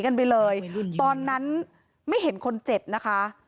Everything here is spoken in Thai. กับคุณเนติชา